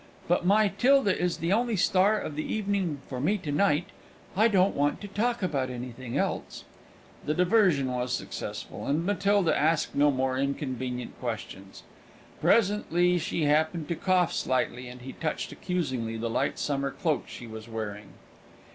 But my 'Tilda is the only star of the evening for me, to night. I don't want to talk about anything else." The diversion was successful, and Matilda asked no more inconvenient questions. Presently she happened to cough slightly, and he touched accusingly the light summer cloak she was wearing.